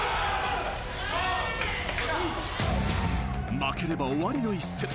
負ければ終わりの一戦。